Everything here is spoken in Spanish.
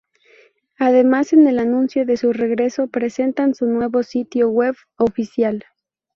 Además en el anuncio de su regreso presentan su nuevo sitio web oficial.